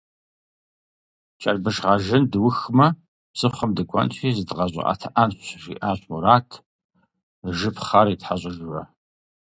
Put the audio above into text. «Чэрбыш гъэжын дыухымэ, псыхъуэм дыкӏуэнщи зыдгъэщӏыӏэтыӏэнщ», жиӏащ Мурат, жыпхъэр итхьэщыжурэ.